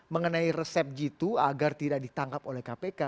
mengenai resep g dua agar tidak ditangkap oleh kpk